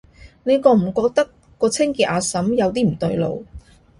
你覺唔覺個清潔阿嬸有啲唔對路？